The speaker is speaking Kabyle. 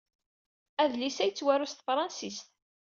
Adlis-a yettwaru s tefṛensist.